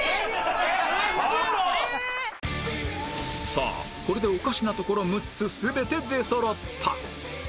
さあこれでおかしなところ６つ全て出そろった